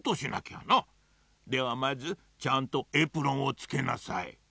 ではまずちゃんとエプロンをつけなさい。